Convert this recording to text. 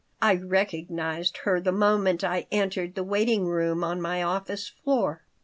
I recognized her the moment I entered the waiting room on my office floor.